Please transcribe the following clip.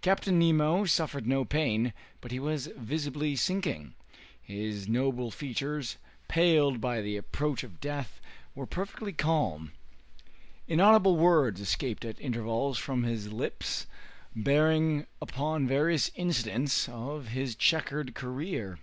Captain Nemo suffered no pain, but he was visibly sinking. His noble features, paled by the approach of death, were perfectly calm. Inaudible words escaped at intervals from his lips, bearing upon various incidents of his checkered career.